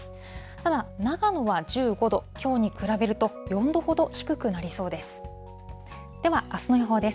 ただ、長野は１５度、きょうに比べると４度ほど低くなりそうです。